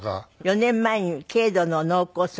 ４年前に軽度の脳梗塞。